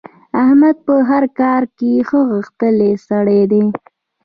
احمد په هر کار کې ښه غښتلی سړی دی.